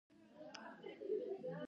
تدین ته ژوره معنوي صبغه ورکړي.